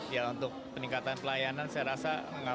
ya untuk peningkatan pelayanan saya rasa nggak masalah